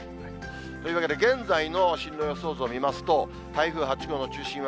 というわけで現在の、進路予想図を見ますと、台風８号の中心は、